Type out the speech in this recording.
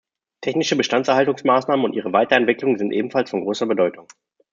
Technische Bestandserhaltungsmaßnahmen und ihre Weiterentwicklung sind ebenfalls von großer Bedeutung.